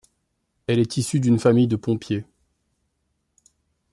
Elle est issue d'une famille de pompiers.